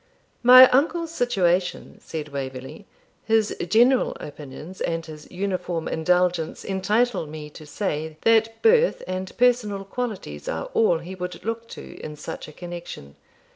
'My uncle's situation,' said Waverley, 'his general opinions, and his uniform indulgence, entitle me to say, that birth and personal qualities are all he would look to in such a connection.